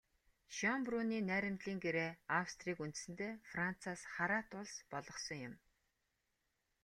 Шёнбрунны найрамдлын гэрээ Австрийг үндсэндээ Францаас хараат улс болгосон юм.